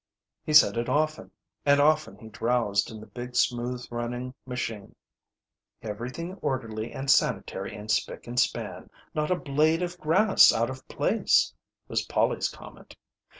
He said it often, and often he drowsed in the big smooth running machine. "Everything orderly and sanitary and spick and span not a blade of grass out of place," was Polly's comment.